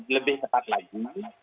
lebih tepat lagi